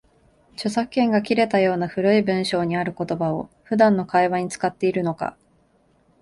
著作権が切れたような古い文章にある言葉を、普段の会話に使っているのか